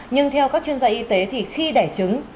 nhưng theo các chuyên gia y tế thì khi đẻ trứng